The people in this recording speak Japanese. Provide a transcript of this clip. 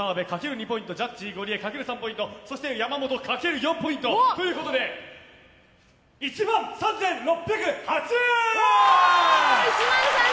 ３ポイントジャッジゴリエかける３ポイントそして山本、かける４ポイントということで１万３６０８円！